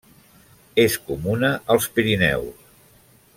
És comuna als Pirineus.